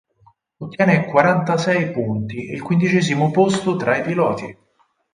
Ottiene quarantasei punti ed il quindicesimo posto tra i piloti.